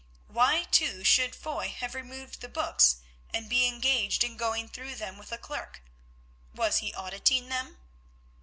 Why, too, should Foy have removed the books and be engaged in going through them with a clerk? Was he auditing them?